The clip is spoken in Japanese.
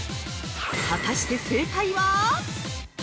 ◆果たして正解は？